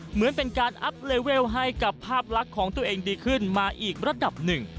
เหมือนเป็นการอัพเลเวลให้กับภาพลักษณ์ของตัวเองดีขึ้นมาอีกระดับหนึ่ง